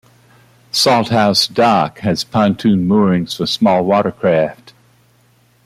Salthouse Dock has pontoon moorings for small watercraft.